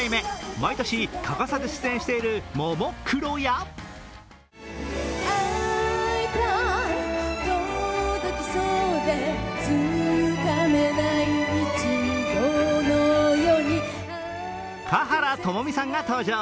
毎年欠かさず出演しているももクロや華原朋美さんが登場。